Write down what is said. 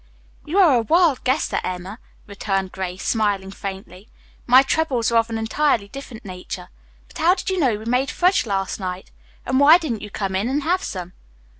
"You are a wild guesser, Emma," returned Grace, smiling faintly. "My troubles are of an entirely different nature. But how did you know we made fudge last night, and why didn't you come in and have some?"